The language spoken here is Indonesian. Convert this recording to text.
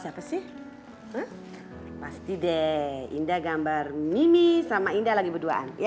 ya udah tidurnya tidurnya